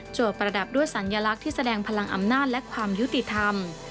ประดับด้วยสัญลักษณ์ที่แสดงพลังอำนาจและความยุติธรรม